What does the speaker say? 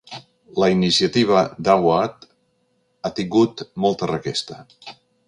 La iniciativa d'Awad ha tingut molta requesta.